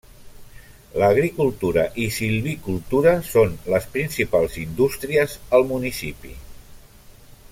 L'agricultura i silvicultura són les principals indústries al municipi.